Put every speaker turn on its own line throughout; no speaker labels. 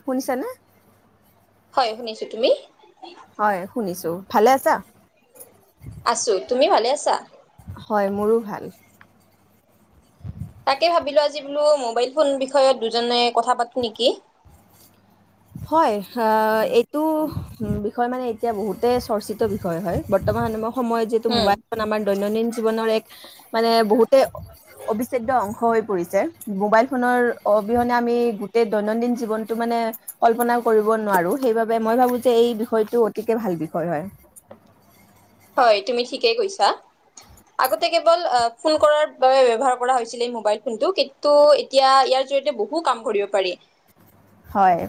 শুনিছা নে?
হয় শুনিছোঁ, তুমি?
হয়, শুনিছোঁ। ভালে আছা?
আছোঁ। তুমি ভালে আছা?
হয়, মোৰোঁ ভাল।
তাকে ভাবিলোঁ আজি বোলো, মোবাইল ফোন বিষয়ত, দুইজনে কথা পাতোঁ নেকি!
হয়! অ' এইটো বিষয় মানে এতিয়া বহুতেই চৰ্চিত বিষয় হয়। বৰ্তমান সময়ত। সময়ত যিহেতো
উম
মোবাইল ফোন আমাৰ দৈনন্দিন জীৱনৰ এক মানে বহুতে অবিচ্ছেদ্য অংশ হৈ পৰিছে। মোবাইল ফোনৰ অবিহনে আমি গোটেই দৈনন্দিন জীৱনতটো মানে কল্পনা কৰিব নোৱাৰোঁ, সেইবাবে মই ভাবোঁ যে এই বিষয়টো অতিকৈ ভাল বিষয় হয়।
হয় তুমি ঠিকেই কথা কৈছা। আগতে কেৱল ফোন কলৰ বাবে ব্যৱহাৰ কৰা হৈছিল এই মোবাইল ফোন টো, কিন্তু এতিয়া ইয়াৰ জড়িয়তে বহু কাম কৰিব পাৰি।
হয়।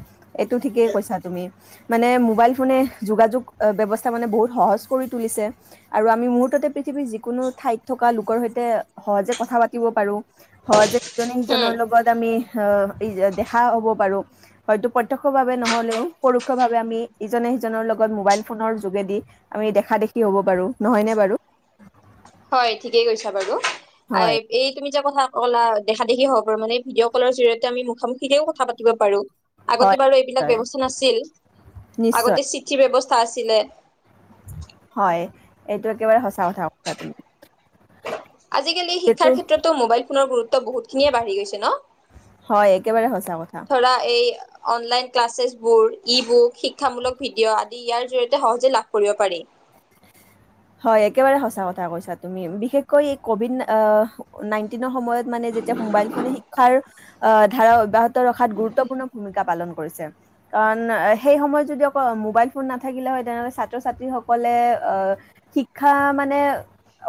এইটো ঠিকেই কৈছা তুমি। মানে মোবাইল ফোনে, যোগাযোগ ব্যৱস্থা মানে, বহুত সহজ কৰি তুলিছে। আৰু আমি মুহূৰ্ততে পৃথিৱীৰ যিকোনো ঠাইত থকা লোক ৰ সৈতে সহজে কথা পাতিব পাৰোঁ, সহজে ইজনে
উম
সিজনৰ লগত আমি দেখা হ'ব পাৰোঁ। হয়তো প্ৰত্যক্ষ ভাৱে নহলেও পৰোক্ষ ভাৱে আমি ইজনে সিজনৰ লগত মোবাইল ফোনৰ যোগেদি আমি দেখা দেখি হব পাৰো নহয়নে বাৰু
হয় ঠিকেই কৈছা বাৰু।
হয়
এই তুমি যে কথা কলা দেখা দেখি হ'ব পাৰ মে ভডিঅ' কলৰ জৰিয়তে আমি মুখামুখিতেও কথা পাতি পাৰো।
হয়
আগতে বাৰু এইবিলাক
হয়
ব্যৱস্থা নাছিল
নিশ্চয়
আগতে চিঠিৰ ব্যৱস্থা। আছিলে।
হয় এইটো একেবাৰে সঁচা কথা কথা তুমি।
আজিকালি
যিহেতু
শিক্ষাৰ ক্ষেত্ৰতো মোবাইল। কণবোত বহুত খিনিয়ে বাঢ়ি গৈছে
হয় একেবাৰে
ন
সঁচা কথা
ধৰা এই। অনলাইন ক্লাছেছবোৰ ই বুক শিক্ষামূলক ভিডিঅ' আদি ইয়াৰ জৰিয়তে সহজে লাভ কৰিব পাৰি।
হয় একেবাৰে সঁচা কথা কৈছা বিশেষকৈ কবি নাএনটিনৰ সময়ত। মানে যেতিয়া মোবাইল ফোনে শিক্ষাৰ। আহ ধাৰা অব্যাহত ৰখাত গুৰুত্বপূৰ্ণ ভূমিকা পালন কৰিছে কাৰণ সেই সময়ত যদি অকল মোবাইল ফোন নাথাকিলে হয় তেনেহলে ছাত্ৰ ছাত্ৰীসকলে আহ শিক্ষা মানে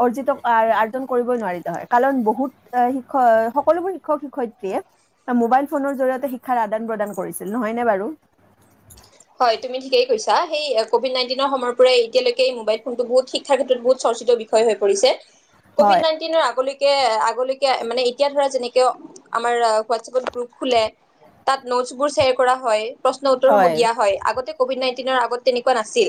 অৰ্জিত আৰ্জন কৰিবই নোৱাৰিলে হয় কাৰণ বহুত শিক্ষক সকলোবোৰ শিক্ষক শিক্ষয়িত্ৰীয়ে মোবাইল ফোনৰ জৰিয়তে শিক্ষাৰ আদান প্ৰদান কৰিছিল নহয়নে বাৰু
হয় তুমি ঠিকেই কৈছা সেই কভিড নাইণ্টিনৰ সময়ৰ পৰাই এতিয়ালৈকে এই মোবাইল ফোনটো বহুত শিক্ষাৰ ক্ষেত্ৰত বহুত চৰ্চিত বিষয় হৈ পৰিছে।। কভিড
হয়,
নাইণ্টিনৰ আগলৈ আগলৈকে মানে এতিয়া ধৰা যেনেকে আমাৰ হোৱাটছপত গ্ৰুপ খোলে তাত নোটছ বোৰ শ্বেয়াৰ কৰা হয়। প্ৰশ্ উত্তৰ। দিয়া হয় আগতে। কভিড নাইণ্টিনৰ আগত তেনেকুৱা নাছিল।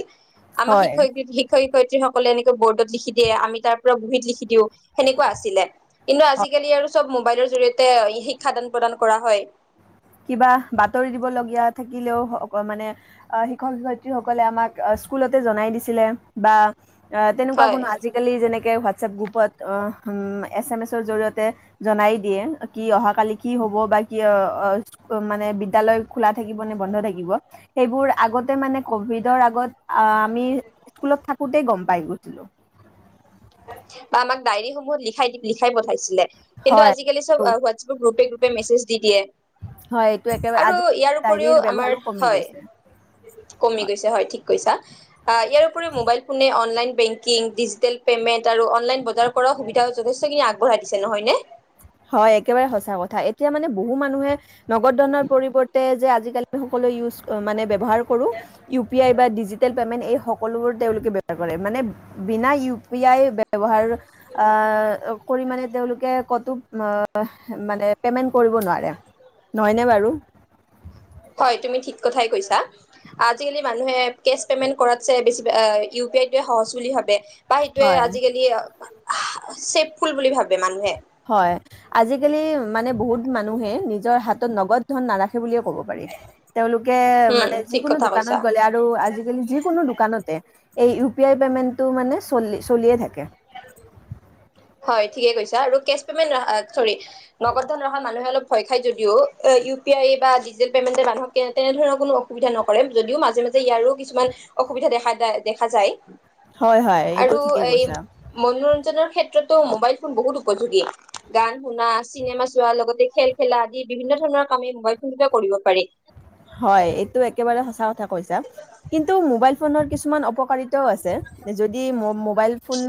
হয়,
আমাৰ শিক্ষয়
হয়।
শিক্ষয় শিক্ষত্ৰী সকলে এনেকৈ বৰ্ডত লিখি দিয়ে। আমি তাৰ পৰা বহীত লিখি দিওঁ। সেনেকুৱা আছিলে কিন্তু আজিকালি আৰু চব। মোবাইলৰ জৰিয়তে শিক্ষাদান প্ৰদান কৰা হয়।
কিবা বাতৰি দিব লগীয়া থাকিলেও আ মানে শিক্ষক শিক্ষয়িত্ৰীসকলে আমাক স্কুলতে জনাই দিছিলে বা অঁ তেনেকুৱা
হয়
কোনো আজিকালি যেনেকে হোৱা হোৱাটছএপ গ্ৰুপত আহ উম এছ এম এছৰ জৰিয়তে জনাই দিয়ে কি অহাকালি কি হ'ব বা কি অঁ। মানে বিদ্যালয় খোলা থাকিব নে বন্ধ থাকিব সেইবোৰ আগতে মানে কভিডৰ আগত আমি স্কুলত থাকোতে গম পাই গৈছিলো
বা আমাক ডায়েৰী সমূহত লিখাই লিখাই পঠাইছিলে।। কিন্তু
হয়
আজিকালি চব হোৱাটছএপ গ্ৰুপে গ্ৰ মেছেজ দি দিয়ে।
হয় এইটো একেবাৰে
আৰু
আজি
ইয়াৰ উপৰিও
ডায়েৰীৰ
আমাৰ
ব্যৱহাৰো কমি
হয়
গৈছে
কমি গৈছে হয় ঠিক কৈছা ইয়াৰ উপৰি মোবাইল ফোনে অনলাইন। Banking digital payment. আৰু অনলাইন বজাৰ কৰ সুবিধাও যথেষ্টখিনি আগবঢ়াই দিছে নহয় ন
হয় একেবাৰে সঁচা কথা এতিয়া মানে বহু মানুহে। নগদ ধনৰ পৰিৱৰ্তে যে। আজিকালিটো সকলো ইউজ, মানে ব্যৱহাৰ কৰো ইউ - পি -আই বা ডিজিটেল, এয়াৰটেল পেমেণ্ট এই সকলোবোৰ তেওঁলোকে ব্যবহাৰ কৰে মানে বিনা ইউ- পি- -আই বে, ব্যৱহাৰ আ কৰি মানে তেওঁলোকে কতু, নহ মানে পেমেণ্ট কৰিব নোৱাৰে, নহয়নে বাৰু?
হয়, তুমি ঠিক কথাই কৈছা আজিকালি মানুহে কেছ- পেমেণ্ট কৰাত চাই বেছিভাগে ইউ- পি -আই টোৱে, সহজ বুলি ভাবে। পাই সেইটোৱে
হয়।
আজিকালি অক ছেফফুল বুলি ভাবে মানুহে।
হয়, আজিকালি মানে বহুত মানুহে, নিজৰ হাতত নগদ ধন নাৰাখে বুলিয়ে, ক'ব পাৰি তেওঁলোকে
উম
মানে
ঠিক
যিকোনো
কথা
দোকানত
কৈছা
গ'লে আৰু আজিকালি যিকোনো দোকানতে, এই ইউ -পি -আই পে'মেণ্টটো মানে চলি চলিয়ে থাকে।
হয় ঠিকে কৈছা আৰু কেছ পেমেণ্ট আ, চৰী নগদ ধন ৰাখা মানুহে অলপ ভয় খাই যদিও অ 'ইউ- পি -আই বা ডিজিটেল পেমেণ্টে মানুহক তেনেধৰণৰ কোনো অসুবিধা নকৰে, যদিও মাজে -মাজে ইয়াৰো কিছুমান অসুবিধা দেখা, দেখা যায়।
হয় হয় এইটো
আৰু
ঠিকেই
এই
কৈছা।
মনোৰঞ্জনৰ, ক্ষেত্ৰত, তো মোবাইল ফোন বহুত উপযোগী গান -শুনা চিনেমা চোৱা লগতে খেল -খেলা আদি বিভিন্ন ধৰণৰ কামেই মোবাইল ফোনতে কৰিব পাৰি।
হয়, এইটো একেবাৰে সঁচা কথা কৈছা কিন্তু মোবাইল ফোনৰ কিছুমান অপকাৰিতাও আছে যদি ম' ম', মোবাইল ফোন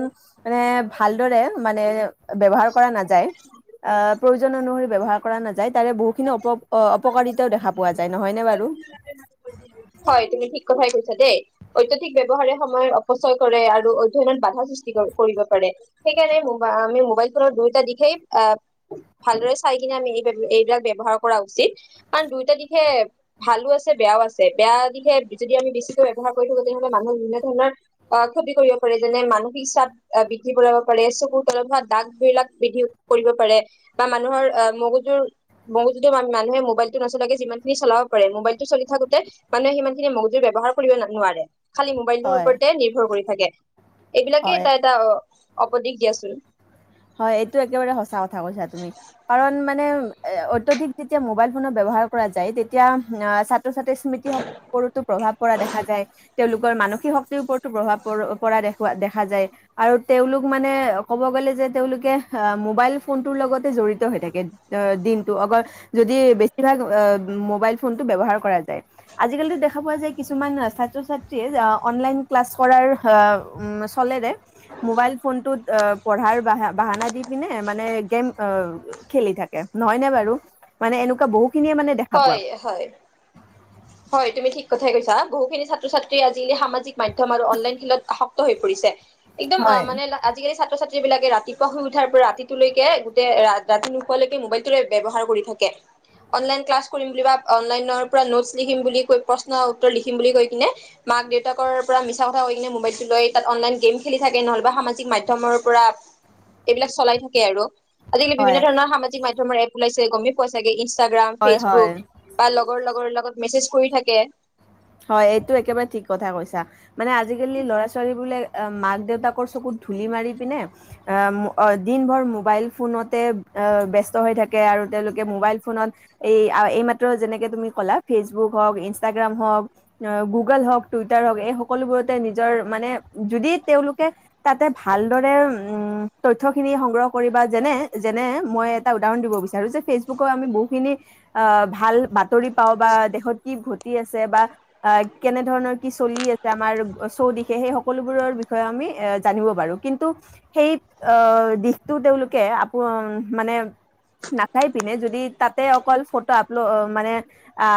মানে ভালদৰে মানে ব্যবহাৰ কৰা নাযায় আ, ' প্ৰয়োজন অনুসৰি, ব্যৱহাৰ কৰা নাযায় তাৰে বহুখিনি অপ, অ 'অপকাৰিতাও দেখা পোৱা যায়। আৰু।
হয়, তুমি ঠিক কথাই কৈছা দেই। অত্যাধিক ব্যৱহাৰে সময় অপচয় কৰে, আৰু অধ্যয়নত বাধা সৃষ্টি কৰিব পাৰে সেইকাৰণে মুবা, আমি মোবাইল ফোনৰ দুয়োটা দিশেই আহ, ভালদৰে চাই কিনে আমি এই এইবিলাক ব্যৱহাৰ কৰা উচিত কাৰণ দুয়োটা দিশে ভালো আছে, বেয়াও আছে। আছে বেয়া দিশে যদি আমি বেছিকৈ ব্যৱহাৰ কৰি থাকো তেনেহলে মানুহৰ বিভিন্ন ধৰণৰ অ' ক্ষতি কৰিব পাৰে, যেনে মানসিক চাপ বৃদ্ধি কৰাব পাৰে, চকুৰ তলত হোৱা দাগ বিলাক বৃদ্ধি কৰিব পাৰে বা মানুহৰ আহ, মগজুৰ মগজুটো মানুহে মোবাইলটো নচলোৱাকে যিমান খিনি চলাব পাৰে মোবাইল টো চলি থাকো, তে মানুহে সিমান খিনি মগজুৰ ব্যৱহাৰ কৰিব নোৱাৰে। খালি মোবাইলটোৰ
হয়।
ওপৰতে নিৰ্ভৰ কৰি থাকে। এইবিলাকে
হয়,
এটা- এটা অ', অপদেশ দিয়াচোন।
হয়, এইটো একেবাৰে সঁচা কথা কৈছা তুমি কাৰণ মানে অত্যধিক যেতিয়া মোবাইল ফোনৰ ব্যৱহাৰ কৰা যায়, তেতিয়া আ ছাত্ৰ, ছাত্ৰ- ছাত্ৰীৰ স্মৃতি- শক্তিৰউপৰতো প্ৰভাৱ পৰা দেখা যায়। তেওঁলোকৰ মানসিক শক্তিৰ ওপৰতো প্ৰভাৱ পৰা দেখৱা, দেখা যায় আৰু তেওঁলোক মানে ক'ব গ'লে যে, তেওঁলোকে আহ, মোবাইল ফোনটোৰ লগতে জড়িত হৈ থাকে দিনটো অগৰ, যদি বেছিভাগ ৱাব মোবাইল ফোনটো ব্যৱহাৰ কৰা যায়। আজিকালিতো দেখা পোৱা যায়, কিছুমান ছাত্ৰ- ছাত্ৰীয়ে অনলাইন ক্লাছ কৰাৰ চলেৰে মোবাইল ফোনটোত পঢ়াৰ বাহা, বাহানা দি পিনে মানে গেম খেলি থাকে নহয় নে বাৰু? মানে এনেকুৱা বহুত,
হয় হয় হয় তুমি ঠিক কথাই কৈছা বহুখিনি ছাত্ৰ ছাত্ৰী আজিকালি সামাজিক মাধ্যম আৰু অনলাইন খেলত আসক্ত হৈ পৰিছে একদম
হয়
মানে আজিকালি ছাত্ৰ ছাত্ৰী বিলাকে ৰাতি পুৱা শুই উঠাৰ পৰা ৰাতিটো লৈকে গোটেই ৰাতি নোপোৱালৈকে মবাইল ব্যৱহাৰ কৰি থাকে। অনলাইন ক্লাছ কৰিম বুলি বা অনলাইনৰ পৰা নোটছ লিখিম বুলি কৈ প্ৰশ্ন উত্তৰ লিখিম বুলি কৈ কিনে মাক দেউতাকৰ পৰা মিছা কথা কৈ কিনে মোবাইলটো লৈ তাত অনলাইন গেম খেলি থাকে নহ'লেবা সামাজিক মাধ্যম পৰা এইবিলাক চলাই থাকে আৰু আজিকালি
হয়
বিভিন্ন ধৰণৰ সামাজিক মাধ্যমৰে ওলাইছে গমেই পোৱা চাগে ইনষ্টাগ্ৰাম
হয় হয়
ফেচবুক বা লগৰ লগৰ লগত মেছেজ কৰি থাকে
হয় এইটো একেবাৰে ঠিক কথা কৈছা মানে আজিকালি ল'ৰা ছোৱালীবোলে মাক দেউতাকৰ চকুত ধূলি মাৰি পিনে দিনভৰ মোবাইল ফোনতে ব্যস্ত হৈ থাকে আৰু তেওঁলোকে মোবাইল ফোনত এই এইমাত্ৰ যেনেকে তুমি ক'লা ফেচবুক হওক ইনষ্টাগ্ৰাম হওক গুগল হওঁক টুইটাৰ হওঁক এই সকলোবোৰতে নিজৰ মানে যদি তেওঁলোকে তাতে ভালদৰে উ তথ্যখিনি সংগ্ৰহ কৰিব বা যেনে যেনে মই এটা উদাহৰণ দিব বিচাৰো যে ফেচবুক আমি বহুখিনি আহ ভাল বাতৰি পাওঁ বা দেশত কি ঘটি আছে বা আহ কেনে ধৰণৰ কি চলি আছে আমাৰ চৌদিশে সেই সকলোবোৰৰ বিষয়ে আমি এ জানিব পাৰো কিন্তু সেই আহ দিশটো তেওঁলোকে আপ মানে নাচাই পিনে যদি তাতে অকল ফটো আপলোড মানে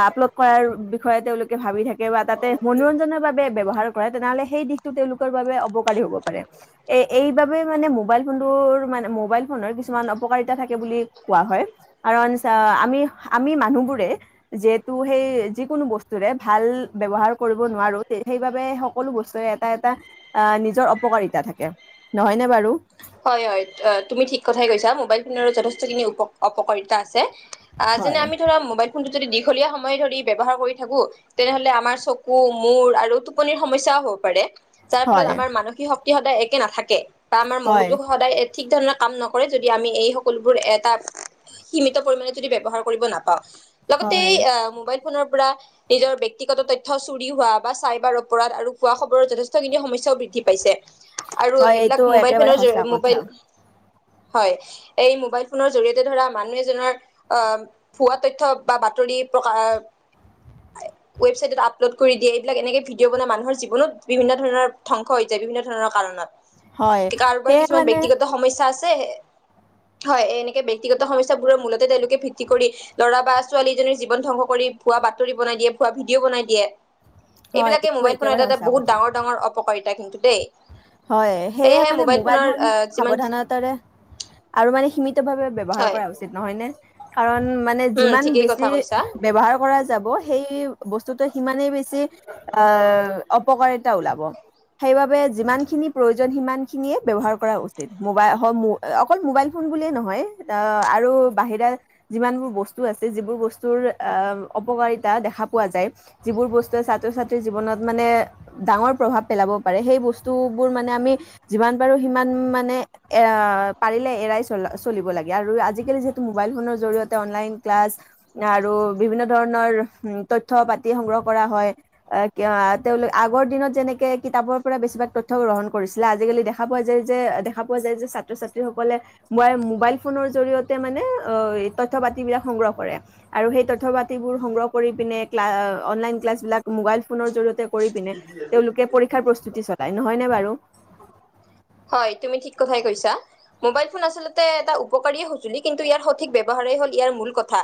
আপলোড কৰাৰ বিষয়ে তেওঁলোকে ভাবি থাকে বা তাতে মনোৰঞ্জনৰ বাবে ব্যবহাৰ কৰে তেনেহলে সেই দিশতটো তেওঁলোকৰ বাবে অপকাৰী হ'ব পাৰে এ এইবাবে মানে মোবাইল ফোনটোৰ মানে মোবাইল ফোনৰ কিছুমান অপকাৰিতা থাকে বুলি কোৱা হয় কাৰণ আমি আমি মানুহবোৰে যিহেতু সেই যিকোনো বস্তু বস্তুৰে ভাল ব্যৱহাৰ কৰিব নোৱাৰো সেইবাবে সকলো বস্তুৰে এটা এটা আহ নিজৰ অপকাৰিতা থাকে নহয়নে বাৰু
হয় হয় তুমি ঠিক কথাই কৈছা মোবাইল ফোনৰো যথেষ্টখিনি অকাৰিতা আছে আহ যেনে
হয়
আমি ধৰা মোবাইল ফোন যদি দীঘলীয়া সময় ধৰি ব্যৱহাৰ কৰি থাকো তেনেহলে আমাৰ চকু মূৰ আৰু টোপনিৰ সমস্যাও হ'ব পাৰে যাৰ ফলত
হয়
আমাৰ মানসিক শক্তি ই সদায় একে নাথাকে ত আমাৰ মং
হয়
য সদায় ঠিক ধৰণৰ কাম নকৰে যদি আমি এই সকলোবোৰ এটা সীমিত পৰিমণে যদি ব্যৱহাৰ কৰিব নাপাওঁ লগতে
হয়
মোবাইল নৰ পৰা নিজৰ ব্যতিগত তথ্য চুৰি হোৱা বা চাইবাৰ অপৰাধ আৰু খোৱা খবৰ যথেষ্টখিনি সমস্যা বৃদ্ধি পাইছে আৰু
হয় এইটো
এইবিলাক মোবাইল
একেবাৰে
ফোনৰ
সঁচা
জৰি
কথা
বন [unintelligible] হয় এই মোবাইল ফোনৰ জৰিয়তে ধৰা মানুহ এজনৰ আহ ভুৱা তথ্য বা বাতৰি প্ৰকা ৱেবছাইটত আপলোড কৰি দিয়ে এইবিলাক এনেকে ভিডিঅ' বনাই মানুহৰ জীৱনত বিভিন্ন ধৰণৰ ধ্বংস হৈ যায় বিভিন্ন ধৰণৰ কাৰণত
হয়
কাৰোবাৰ
সে
ব্যক্তিগত সমস্য চাচেহে হয় এনেকে বক্তিগত সমস্যাবোৰৰ মূলতে তেওঁলোকে ভিত্তি কৰি ল'ৰা বা ছোৱালীজনীৰ জীৱন ধ্বংস কৰি ভুৱা বাতৰি বনাই দিয়ে ভুৱা ভিডিঅ' বনাই দিয়ে।
হয়
এইবিলাকে
এইটো
মোবাইল ফোন এটা
একেবাৰে
এটা
সঁচা
বহুত
কথা
ডাঙৰ ডাঙৰ অপকাৰিত [unintelligible]
হয় সেয়ে মানে মো মোবাইল
ফোনৰ
ফোন
আহ যিমান
সাৱধানতাৰে আৰু মানে সীমিতভাৱে ব্যৱহাৰ
হয়
কৰা উচিত নহয়নে। কাৰণ মানে যি
উম ঠিকেই কথা
বেছি
কৈছা
ব্যৱহাৰ কৰা যাব সেই বস্তুটোৱে সিমানে বেছ অ অপকাৰিত, তাৰ ওলাব সেইবাবে। যিমানখিনি প্ৰয়োজন সিমানখিনিয়ে ব্যৱহাৰ কৰা উচিত মোবাই হওক মো অকল মোবাইল ফোন বুলিয়েই নহয় আৰু বাহিৰা যিমানবোৰ বস্তু আছে যিবোৰ বস্তুৰ অপকাৰিতা দেখা পোৱা যায় যিবোৰ বস্তুৱে ছাত্ৰ -ছাত্ৰীৰ জীৱনত মানে ডাঙৰ প্ৰভাৱ পেলাব পাৰে সেই বস্তু। টোবোৰ মানে আমি যিমান পাৰো সিমান মানে এ পাৰিলে এৰাই চল চলিব লাগে আৰু আজিকালি যিহেতু মোবাইল ফোনৰ জৰিয়তে অনলাইন ক্লাছ আৰু বিভিন্ন ধৰণৰ তথ্য পাতি সংগ্ৰহ কৰা হয় তেওঁলোক আগৰ দিনত যেনেকে কিতাপৰ পৰা বেছিভাগ। তথ্য গ্ৰহণ কৰিছিলে আজিকালি দেখা পোৱা যায় যে দেখা পোৱা যায় যে ছাত্ৰ ছাত্ৰী সকলে মাই মোবাইল ফোনৰ জৰিয়তে মানে অ তথ্য পাতি বিলাক সংগ্ৰহ কৰে আৰু সেই তথ্য পাতিবোৰ সংগ্ৰহ কৰি পিনে ক্লাছ অনলাইন ক্লাছ বিলাক মোবাইল ফোনৰ জৰিয়তে। কৰি পিনে তেওঁলোকে। পৰীক্ষা প্ৰস্তুতি চয়। নহয়নে বাৰু?
হয় তুমি ঠিক কথাই কৈছা মোবাইল ফোন আচলতে এটা উপকাৰীয়ে সঁজুলি কিন্তু ইয়াৰ সঠিক ব্যৱহাৰ হ'ল ইয়াৰ মূল কথা।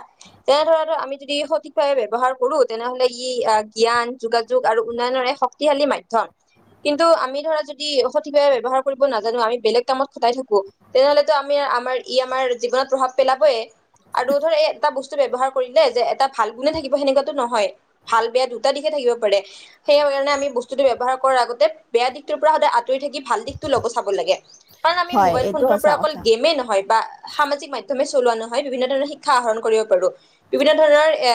তেনে ধৰা আমি যদি সঠিকভাৱে ব্যৱহাৰ কৰো তেনেহলে ই জ্ঞান, যোগাযোগ আৰু উন্নয়নৰ এক শক্তিশালী মাধ্যম কিন্তু আমি ধৰা যদি সঠিকভাৱে ব্যৱহাৰ। কৰিব নাজানো আমি বেলেগ কামত খটাই থাকো তেনেহলেতো আমি আমাৰ ই আমাৰ জীৱনত প্ৰভাৱ পেলাবয়। আৰু ধৰ এটা বস্তু। ব্যৱহাৰ কৰিলে যে এটা ভাল গুণে থাকিব সেনেকুৱাটো নহয় ভাল বেয়া দুটা দিশে থাকিব পাৰে। সেই কাৰণে আমি বস্তুটো ব্যৱহাৰ কৰাৰ আগতে বেয়া দিশটোৰ পৰা সদায় আঁতৰি থাকি ভাল। টো ল'ব চাব লাগে কাৰণ আমি
হয়
মোবাইল
এইটো
ফোনটোৰ
সঁচা
পৰা অকল
কথা
গেমে নহয়। বা সামাজিক মাধ্যমে চলোৱা নহয় বিভিন্ন ধৰণৰ শিক্ষা আহৰণ কৰিব পাৰো। বিভিন্ন ধৰণৰ এ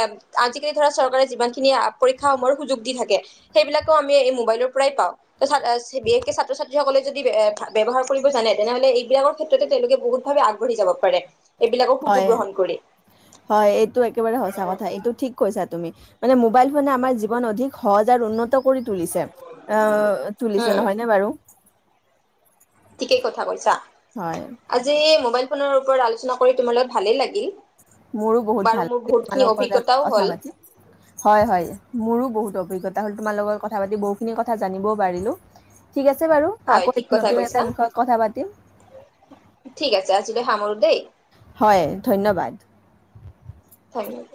আজিকালি ধৰা চৰকাৰে যিমানখিনি পৰীক্ষাসমূহৰ সুযোগ দি থাকে, সেইবিলাকো আমি এই মোবাইলৰ পৰাই পাওঁ। বিশেষকে ছাত্ৰ ছাত্ৰীসকলে য, ব্যৱহাৰ কৰিব জানে তেনেহলে এইবিলাকৰ ক্ষেত্ৰতে তেওঁলোকে বহুত ভাৱে আগাঢ়ি যাব পাৰে। এইবিলাকৰ সুযোগ
হয়
গ্ৰহণ কৰি
হয় এইটো একেবাৰে সঁচা কথা এইটো ঠিক কৈছা তুমি। মানে মোবাইল। মানে আমাৰ জীৱন অধিক। সহজ আৰ উন্নোত। ত কৰি তুলিছে আহ তুলিছে
উম
নহয়নে বাৰু?
ঠিকেই কথা কৈছা
হয়,
আজি মোবাইল, ফোনৰ ওপৰত আলোচনা কৰি তোমাৰ লগত ভালেই লাগিল।
মোৰো বহুত
বাৰু
ভাল
মোৰ বহুতখিনি
তোমালোকৰ
অভিজ্ঞতাও
কথা
হ'ল
পাতি হয় হয় মোৰো বহুত অ। অভিজ্ঞতা হ'ল তোমাৰ লগত কথা পাতি বহুতখিনি কথা জানিবও পাৰিলোঁ। ঠিক আছে বাৰু
হয়
আকৌ
ঠিক কথা
নতুন এটা
কৈছা
বিষয়ত কথা পাতিম।
ঠিক আছে আজিলৈ সামৰো দেই
হয় ধন্যবাদ।
ধনবাদ।